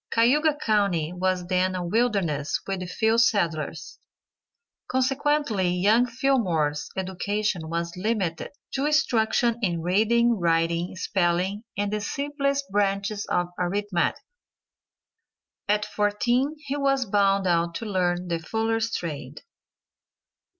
Cayuga county was then a wilderness with few settlers, consequently young Fillmore's education was limited to instruction in reading, writing, spelling and the simplest branches of arithmetic. At fourteen he was bound out to learn the fuller's trade.